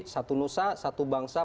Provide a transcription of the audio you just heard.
satu nusa satu bangsa